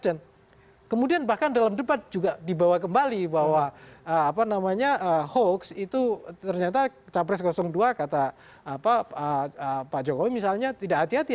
dan kemudian bahkan dalam debat juga dibawa kembali bahwa apa namanya hoaks itu ternyata capres dua kata pak jokowi misalnya tidak hati hati